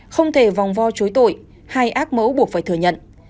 không thể vòng vo chối tội hay ác mẫu buộc phải thừa nhận